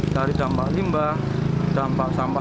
dari dampak limbah dampak sampah